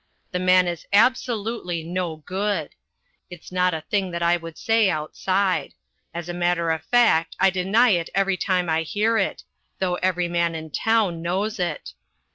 The man is absolutely no good. It's not a thing that I would say outside: as a matter of fact I deny it every time I hear it, though every man in town knows it.